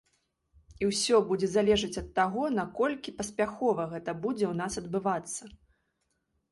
І ўсё будзе залежаць ад таго, наколькі паспяхова гэта будзе ў нас адбывацца.